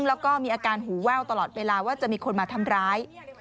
แล้วก็มีอาการหูแว่วตลอดเวลาว่าจะมีคนมาทำร้าย